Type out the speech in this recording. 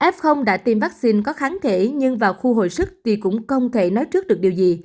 f đã tiêm vaccine có kháng thể nhưng vào khu hồi sức thì cũng không thể nói trước được điều gì